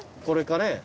これかね。